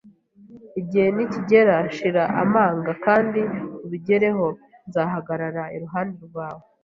Igihe nikigera, shira amanga kandi ubigereho! Nzahagarara iruhande rwawe.